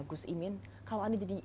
gus imin kalau anies jadi